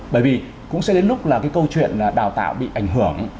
bởi vì cũng sẽ đến lúc là cái câu chuyện đào tạo bị ảnh hưởng